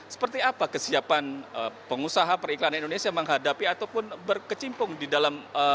seperti apa kesiapan pengusaha periklanan indonesia menghadapi ataupun berkecimpung di dalam